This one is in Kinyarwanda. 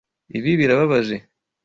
Ibi birababaje.